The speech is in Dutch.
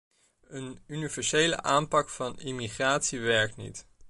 Een universele aanpak van immigratie werkt niet.